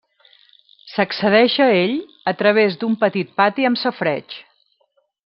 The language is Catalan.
S'accedeix a ell a través d'un petit pati amb safareig.